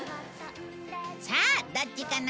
さあどっちかな？